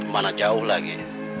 mana jauh lagi